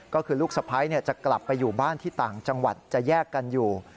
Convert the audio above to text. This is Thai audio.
ก็คือลูกสะพ้ายจะกลับไปอยู่บ้านที่ต่างจังหวัดจะแยกกันอยู่